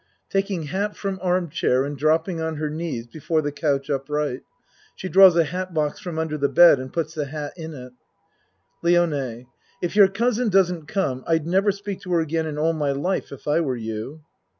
(Taking hat from arm chair and dropping on her knees be fore the couch up R. She draws a hat box from un der the bed and puts the hat in it.) LIONE If your cousin doesn't come, I'd never speak to her again in all my life, if I were you.